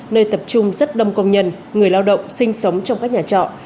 nơi tập trung rất đông công nhân người lao động sinh sống trong các nhà trọ